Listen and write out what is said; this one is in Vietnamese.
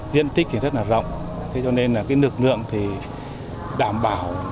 diện tích thì rất là rộng thế cho nên là cái lực lượng thì đảm bảo